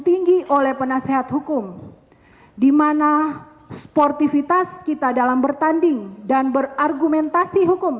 tinggi oleh penasehat hukum dimana sportivitas kita dalam bertanding dan berargumentasi hukum